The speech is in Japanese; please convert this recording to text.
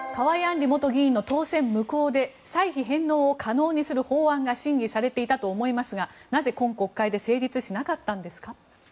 里元議員の当選無効で歳費返納を可能にする法案が審議されていたと思いますがなぜ今国会で成立しなかったんですか？